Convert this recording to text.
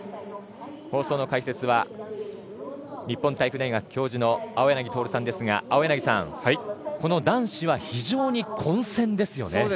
放送の解説は日本体育大学教授の青柳徹さんですが、青柳さんこの男子は非常に混戦ですよね。